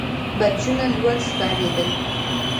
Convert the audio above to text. برجونه لوړ ښکارېدل.